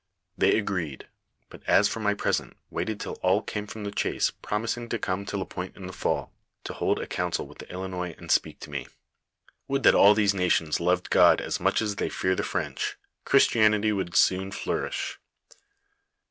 They agreed ; but as for my present waited till all came from . the chase, promising to come to Lapointe in the fall, to hold a council with the Ilinois and speak to me. "Would that all these nations loved God, as much as they fear the French I Christianity would soon flourish.